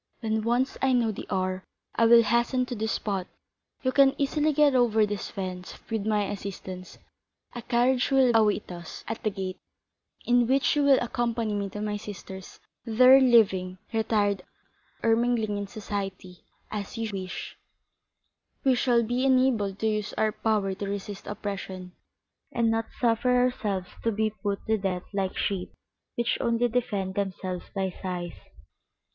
When once I know the hour, I will hasten to this spot, you can easily get over this fence with my assistance, a carriage will await us at the gate, in which you will accompany me to my sister's; there living, retired or mingling in society, as you wish, we shall be enabled to use our power to resist oppression, and not suffer ourselves to be put to death like sheep, which only defend themselves by sighs."